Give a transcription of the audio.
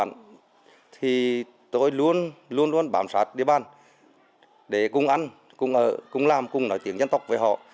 sau khi đã thành lập được chi bộ bản thì tôi luôn luôn luôn bám sát địa bàn để cùng ăn cùng ở cùng làm cùng nói tiếng dân tộc với họ